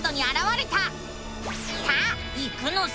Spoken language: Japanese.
さあ行くのさ！